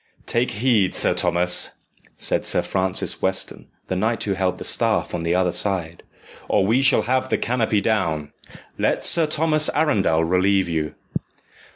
"Take heed, Sir Thomas," said Sir Francis Weston, the knight who held the staff on the other side, "or we shall have the canopy down. Let Sir Thomas Arundel relieve you."